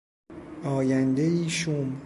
آیندهای شوم